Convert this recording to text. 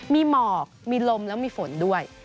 มีหมอกมีลมแล้วมีฝนด้วย